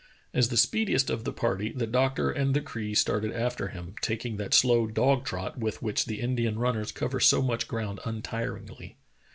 As the speediest of the party, the doctor and the Cree started after him, taking that slow dog trot with which the Indian runners cover so much ground untiringly.